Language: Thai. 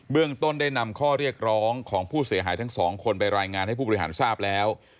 เรื่องต้นได้นำข้อเรียกร้องของผู้เสียหายทั้งสองคนไปรายงานให้ผู้บริหารทราบแล้ว